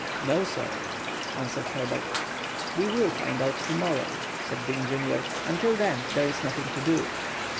"No sir," answered Herbert. "We will find out to morrow," said the engineer. "Until then there is nothing to do."